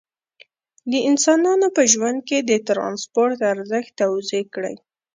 د انسانانو په ژوند کې د ترانسپورت ارزښت توضیح کړئ.